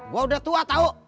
gue udah tua tau